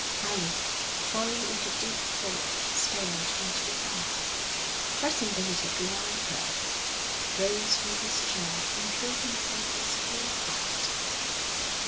Alec, fallen into deep thought, stared into the fire. Presently he took a long breath, rose from his chair, and drew himself to his full height.